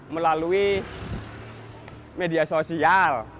melalui media sosial